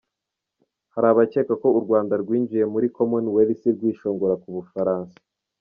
Hari abakeka ko u Rwanda rwinjiye muri komoni welisi rwishongora ku Bufaransa.